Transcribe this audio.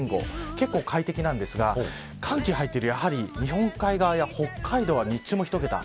結構快適ですが、寒気が入っている日本海側や北海道は日中も１桁。